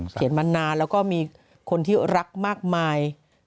เขียนมานานแล้วก็มีคนที่รักมากมาย